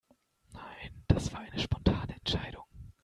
Nein, das war eine spontane Entscheidung.